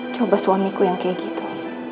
coba suamiku yang kayak gitu